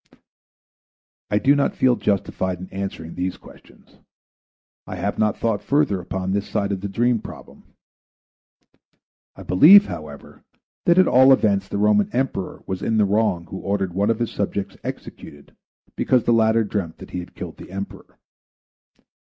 I do not feel justified in answering these questions. I have not thought further upon this side of the dream problem. I believe, however, that at all events the Roman Emperor was in the wrong who ordered one of his subjects executed because the latter dreamt that he had killed the Emperor.